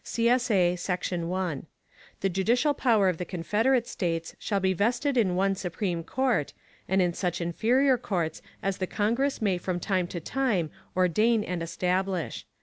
[CSA] Section 1. The judicial power of the Confederate States shall be vested in one Supreme Court, and in such inferior courts as the Congress may from time to time ordain and establish.